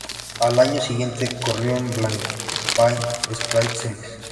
Al año siguiente corrió en Blancpain Sprint Series.